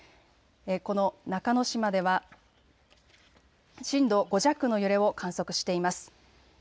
この中之島では震度５弱の揺れを観測しています。